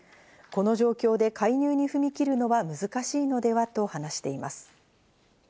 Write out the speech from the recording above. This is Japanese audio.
この状況で介入に踏み切るのは難しいのではと話しています。